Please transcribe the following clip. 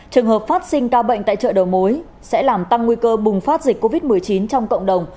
trường hợp phát sinh ca bệnh tại chợ đầu mối sẽ làm tăng nguy cơ bùng phát dịch covid một mươi chín trong cộng đồng